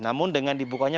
namun dengan dibukanya